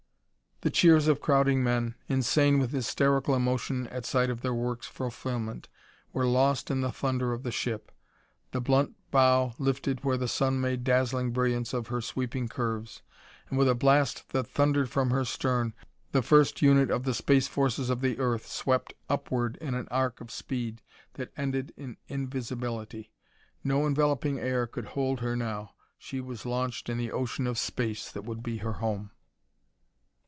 The cheers of crowding men, insane with hysterical emotion at sight of their work's fulfillment, were lost in the thunder of the ship. The blunt bow lifted where the sun made dazzling brilliance of her sweeping curves, and with a blast that thundered from her stern the first unit of the space forces of the Earth swept upward in an arc of speed that ended in invisibility. No enveloping air could hold her now; she was launched in the ocean of space that would be her home.